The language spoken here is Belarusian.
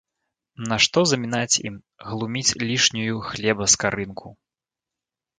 Нашто замінаць ім, глуміць лішнюю хлеба скарынку.